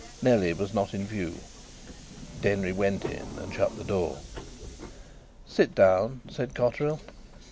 Nellie was not in view. Denry went in and shut the door. "Sit down," said Cotterill.